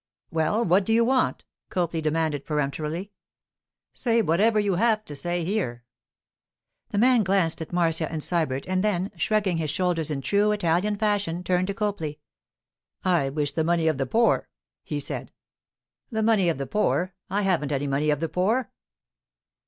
'Well, what do you want?' Copley demanded peremptorily. 'Say whatever you have to say here.' The man glanced at Marcia and Sybert, and then, shrugging his shoulders in true Italian fashion, turned to Copley. 'I wish the money of the poor,' he said. 'The money of the poor? I haven't any money of the poor.